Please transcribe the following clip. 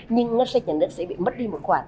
nhưng ngân sách nhà nước sẽ bị mất đi một khoản